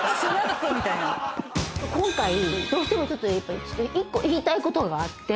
今回どうしてもちょっと１個言いたいことがあって。